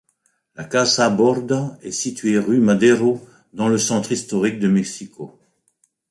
La Casa Borda est située rue Madero, dans le centre historique de Mexico.